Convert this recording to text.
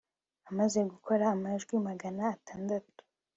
Amaze gukora amajwi magana atandatu